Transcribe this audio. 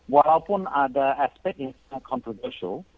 walaupun ada aspek yang sangat kontradisional